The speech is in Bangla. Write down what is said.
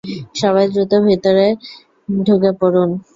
সবাই দ্রুত ভেতরে ঢুকে পড়ুন!